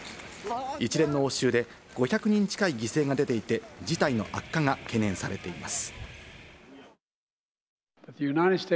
一連の応酬で５００人近い犠牲が出ていて、事態の悪化が懸念されています。